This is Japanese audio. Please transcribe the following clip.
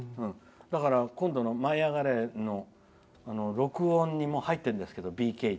だから今度の「舞いあがれ！」の録音にもう入ってるんですけど。